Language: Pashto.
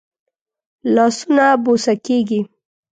لاسونه بوسه کېږي